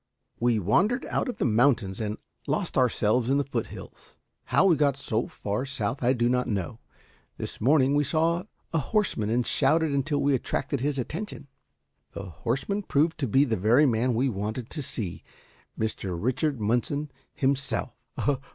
"We wandered out of the mountains and lost ourselves in the foothills. How we got so far south I do not know. This morning we saw a horseman and shouted until we attracted his attention. The horseman proved to be the very man we wanted to see Mr. Richard Munson himself."